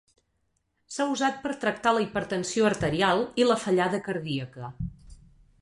S'ha usat per tractar la hipertensió arterial i la fallada cardíaca.